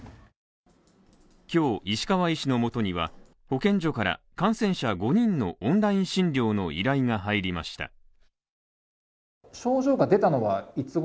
今日石川医師のもとには、保健所から感染者５人のオンライン診療の依頼が入りました。